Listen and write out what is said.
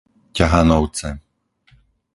Ťahanovce